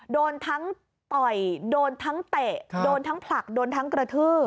โดนทั้งต่อยโดนทั้งเตะโดนทั้งผลักโดนทั้งกระทืบ